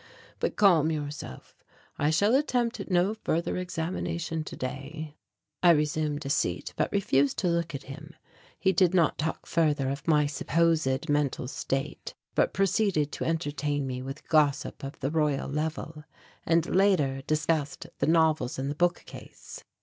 But calm yourself. I shall attempt no further examination today." I resumed a seat but refused to look at him. He did not talk further of my supposed mental state, but proceeded to entertain me with gossip of the Royal Level, and later discussed the novels in the bookcase.